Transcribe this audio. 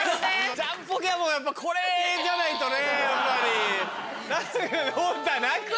ジャンポケはやっぱこれじゃないとね。